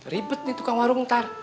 ribet nih tukang warung ntar